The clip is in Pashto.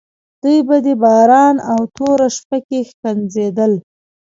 دوی په دې باران او توره شپه کې جنګېدل.